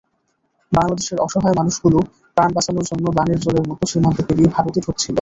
বাংলাদেশের অসহায় মানুষগুলো প্রাণ বাঁচানোর জন্য বানের জলের মতো সীমান্ত পেরিয়ে ভারতে ঢুকছিল।